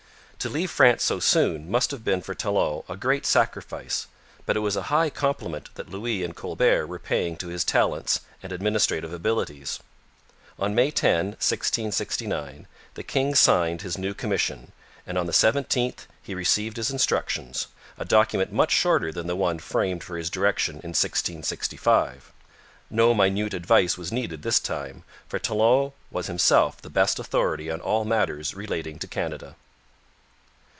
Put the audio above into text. To leave France so soon must have been for Talon a great sacrifice, but it was a high compliment that Louis and Colbert were paying to his talents and administrative abilities. On May 10, 1669, the king signed his new commission, and on the 17th he received his instructions, a document much shorter than the one framed for his direction in 1665. No minute advice was needed this time, for Talon was himself the best authority on all matters relating to Canada.